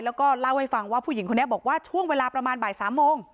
แล้วก็เล่าให้ฟังว่าผู้หญิงคนนี้บอกว่าช่วงเวลาประมาณบ่าย๓โมง